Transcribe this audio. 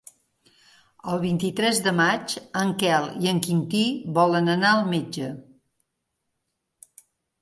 El vint-i-tres de maig en Quel i en Quintí volen anar al metge.